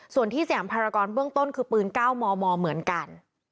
ส่วนที่สยามภารกรเบื้องต้นคือปืน๙มมเหมือนกัน